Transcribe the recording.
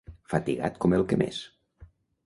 Fatigat com el que més.